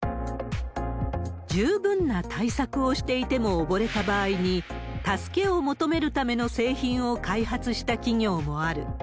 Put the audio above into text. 十分な対策をしていても溺れた場合に、助けを求めるための製品を開発した企業もある。